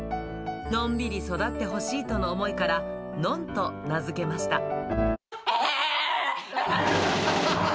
のんびり育ってほしいとの思いから、ノンと名付けました。